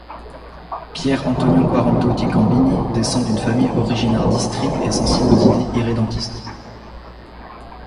Pier Antonio Quarantotti Gambini descend d'une famille originaire d'Istrie et sensible aux idées irrédentistes.